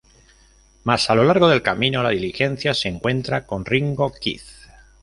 Más a lo largo del camino, la diligencia se encuentra con Ringo Kid.